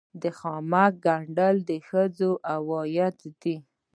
د خامک ګنډل د ښځو عاید دی